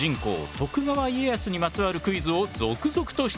徳川家康にまつわるクイズを続々と出題。